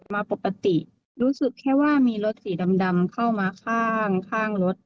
มาปกติรู้สึกแค่ว่ามีรถสีดำเข้ามาข้างข้างรถ